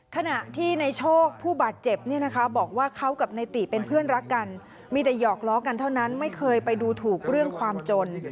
ขณะที่ในโชคผู้บาดเจ็บเนี่ยนะคะบอกว่าเขากับในติเป็นเพื่อนรักกันมีแต่หยอกล้อกันเท่านั้นไม่เคยไปดูถูกเรื่องความจน